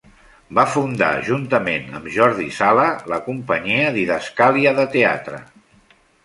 Va fundar, juntament amb Jordi Sala, la companyia Didascàlia de teatre.